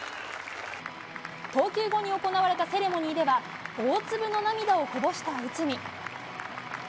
投球後に行われたセレモニーでは、大粒の涙をこぼした内海。